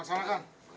terima kasih pak